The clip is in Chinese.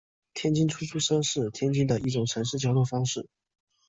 天津出租车是天津的一种城市交通方式。